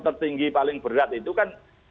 tertinggi paling berat itu kan